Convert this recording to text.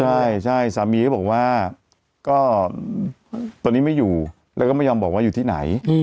ใช่ใช่สามีก็บอกว่าก็ตอนนี้ไม่อยู่แล้วก็ไม่ยอมบอกว่าอยู่ที่ไหน